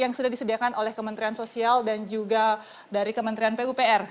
yang sudah disediakan oleh kementerian sosial dan juga dari kementerian pupr